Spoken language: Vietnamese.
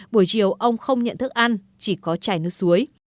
buổi chiều ông không nhận thức ăn chỉ có chảy nước suối